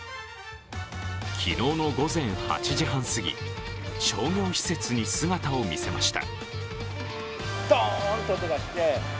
昨日の午前８時半すぎ商業施設に姿を見せました。